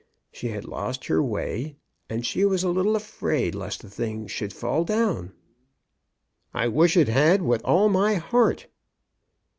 She had lost her way, and she was a little afraid lest the thing should fall down." I wish it had with all my heart."